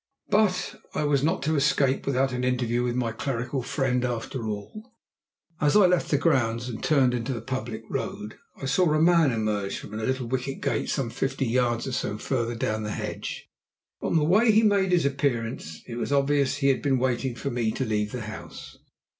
But I was not to escape without an interview with my clerical friend after all. As I left the grounds and turned into the public road I saw a man emerge from a little wicket gate some fifty yards or so further down the hedge. From the way he made his appearance, it was obvious he had been waiting for me to leave the house.